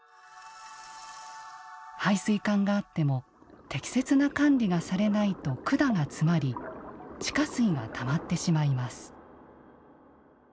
排水管があっても適切な管理がされないと管が詰まり地下水がたまってしまいます。